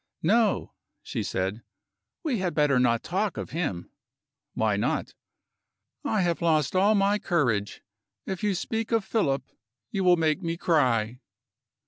"No," she said; "we had better not talk of him." "Why not?" "I have lost all my courage. If you speak of Philip, you will make me cry."